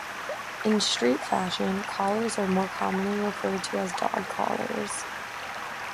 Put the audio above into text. In street fashion, collars are more commonly referred to as dog collars.